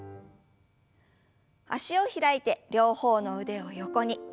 脚を開いて両方の腕を横に。